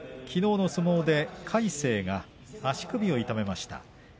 きのうの相撲で魁聖が足首を痛めました。